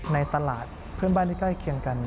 ในตลาดเพื่อนบ้านที่ใกล้เคียงกัน